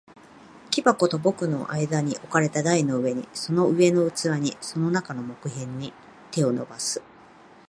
木箱と僕との間に置かれた台の上に、その上の器に、その中の木片に、手を伸ばす。